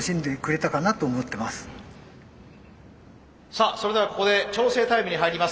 さあそれではここで調整タイムに入ります。